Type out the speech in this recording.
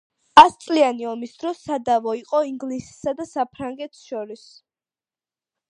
ასწლიანი ომის დროს სადავო იყო ინგლისსა და საფრანგეთს შორის.